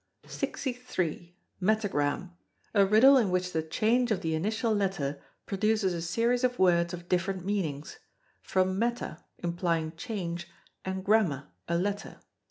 63. Metagram, a riddle in which the change of the initial letter produces a series of words of different meanings; from meta, implying change, and gramma, a letter.